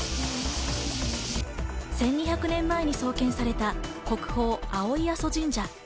１２００年前に創建された国宝・青井阿蘇神社。